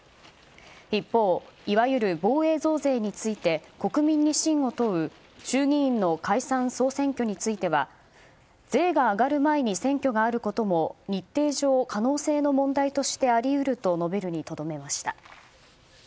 一方、いわゆる防衛増税について国民に信を問う衆議院の解散・総選挙については税が上がる前の選挙があることも日程上可能性の問題としてあり得ると述べるにとどめました。